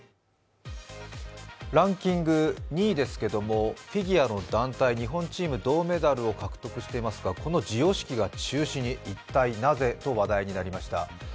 ランキング２位ですけれどもフィギュアの団体、日本チームメダルを獲得していますがこの授与式が中止に、一体なぜと話題になりました。